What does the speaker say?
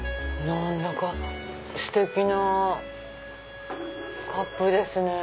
何だかステキなカップですね。